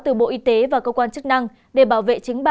từ bộ y tế và cơ quan chức năng để bảo vệ chính bà